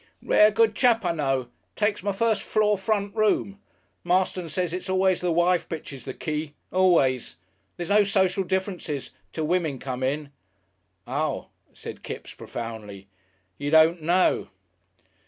"Rare good chap I know takes my first floor front room. Masterson says it's always the wife pitches the key. Always. There's no social differences till women come in." "Ah!" said Kipps profoundly. "You don't know."